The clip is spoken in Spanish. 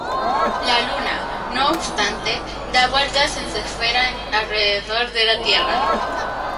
La Luna, no obstante, da vueltas en su esfera alrededor de la Tierra.